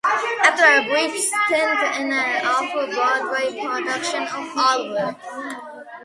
After a brief stint in an off-Broadway production of Oliver!